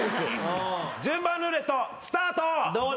順番ルーレットスタート。